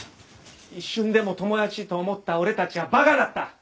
一瞬でも友達と思った俺たちがバカだった！